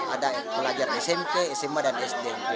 ada pelajar smp sma dan sd